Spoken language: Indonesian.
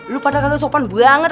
lu pada katanya sopan banget